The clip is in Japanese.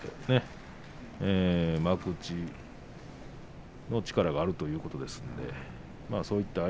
それだけ幕内の力があるということですね。